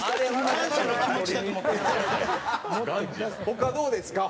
他どうですか？